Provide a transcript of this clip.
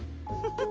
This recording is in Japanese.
フフフ。